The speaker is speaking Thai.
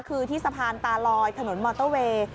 คือที่สะพานตาลอยถนนมอเตอร์เวย์